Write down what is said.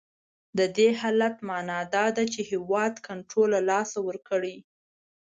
د دې حالت معنا دا ده چې هیواد کنټرول له لاسه ورکړی.